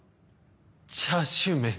チャーシューメン。